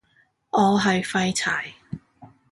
我係廢柴